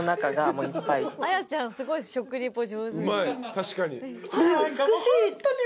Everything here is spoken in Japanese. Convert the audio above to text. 確かに。